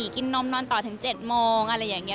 กินนมนอนต่อถึง๗โมงอะไรอย่างนี้